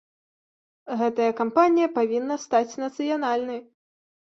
Гэтая кампанія павінна стаць нацыянальнай.